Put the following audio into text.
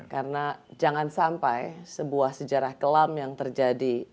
karena jangan sampai sebuah sejarah kelam yang terjadi